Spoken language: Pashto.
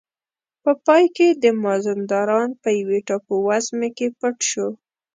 په پای کې د مازندران په یوې ټاپو وزمې کې پټ شو.